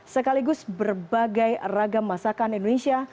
sekaligus berbagai ragam masakan indonesia